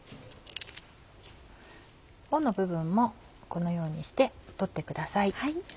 尾の部分もこのようにして取ってください。